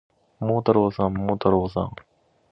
桃太郎さん、桃太郎さん